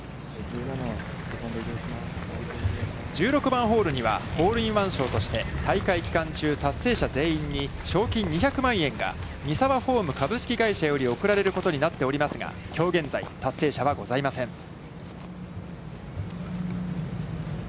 １６番ホールにはホールインワン賞として大会期間中達成者全員に賞金２００万円がミサワホーム株式会社より贈られることになっておりましたが、きょう現在達成者はございませんでした。